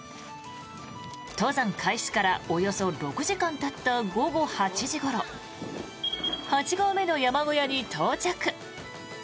登山開始からおよそ６時間たった午後８時ごろ８合目の山小屋に到着。